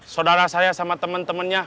saudara saya sama temen temennya